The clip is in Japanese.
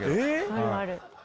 あるある。